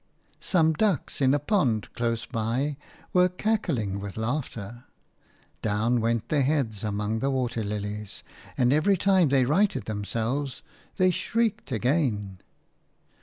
Some ducks in a pond close by were cackling with laughter; down went their heads among the water lilies, and every time they righted themselves they shrieked again.